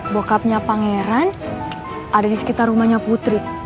bokapnya pangeran ada di sekitar rumahnya putri